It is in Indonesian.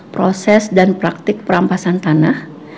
proses dan praktik perampasan tanah